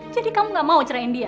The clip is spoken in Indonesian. jadi kamu gak mau cerain dia